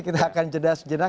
kita akan jeda sejenak